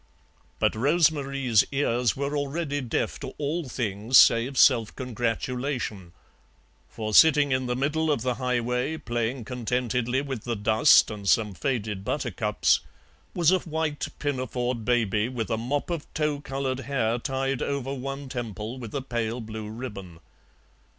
But Rose Marie's ears were already deaf to all things save self congratulation; for sitting in the middle of the highway, playing contentedly with the dust and some faded buttercups, was a white pinafored baby with a mop of tow coloured hair tied over one temple with a pale blue ribbon.